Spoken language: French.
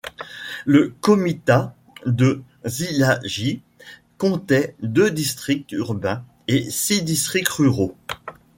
Le comitat de Szilágy comptait deux districts urbains et six districts ruraux.